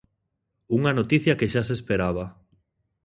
Unha noticia que xa se esperaba.